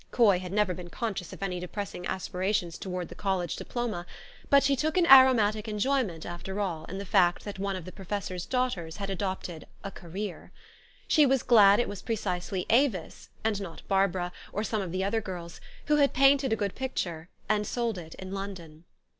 Coy had never been conscious of any depressing aspirations towards the college diploma ; but she took an aromatic en jo}Tnent, after all, in the fact that one of the pro fessor's daughters had adopted " a career." She was glad it was precisely Avis, and not Barbara, or some of the other girls, who had painted a good picture, and sold it in London.